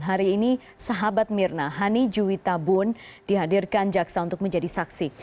hari ini sahabat mirna hani juwita bun dihadirkan jaksa untuk menjadi saksi